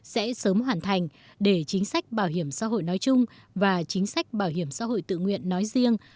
sẽ sớm hoàn thành để chính sách bảo hiểm xã hội nói chung và chính sách bảo hiểm xã hội tự nguyện nói riêng